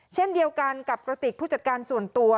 เช่นเดียวกันกับกระติกผู้จัดการส่วนตัว